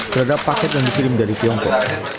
terhadap paket yang dikirim dari tiongkok